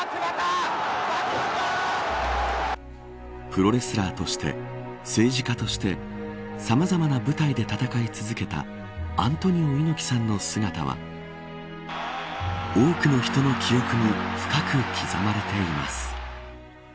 プロレスラーとして政治家としてさまざまな舞台で戦い続けたアントニオ猪木さんの姿は多くの人の記憶に深く刻まれています。